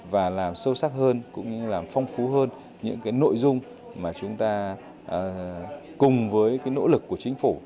và làm sâu sắc hơn cũng như làm phong phú hơn những cái nội dung mà chúng ta cùng với nỗ lực của chính phủ